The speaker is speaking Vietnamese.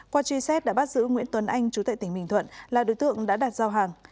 qua truy xét đã bắt giữ nguyễn tuấn anh chú tại tỉnh bình thuận là đối tượng đã đạt giao hàng